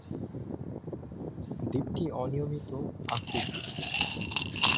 দ্বীপটি অনিয়মিত আকৃতির।